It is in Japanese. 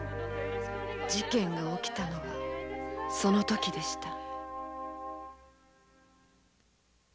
事件が起きたのはその時でした。